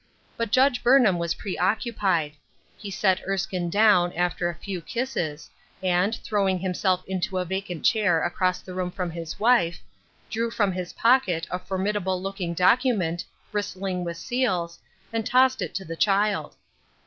But Judge Burnham was preoccupied. He set Erskine down, after a few kisses, and, throwing himself into a vacant chair across the room from his wife, drew from his pocket a formidable looking docu ment, bristling with seals, and tossed it to the child.